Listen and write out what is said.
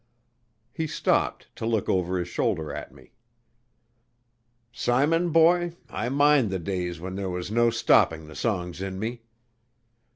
He stopped to look over his shoulder at me. "Simon, boy, I mind the days when there was no stopping the songs in me.